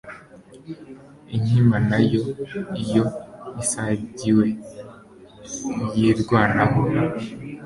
inkima na yo iyo isagariwe yirwanaho